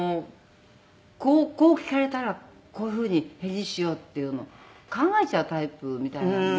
こう聞かれたらこういうふうに返事しようっていうのを考えちゃうタイプみたいなので。